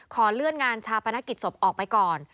ขอเลื่อนงานชาปนกิจศพออกไปก่อน